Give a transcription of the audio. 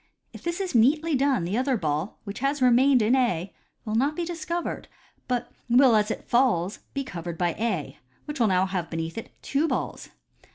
If this is neatly done, the other ball, which has remained in A, will not be discovered, but will as it falls be covered by A, which will now have beneath it two balls.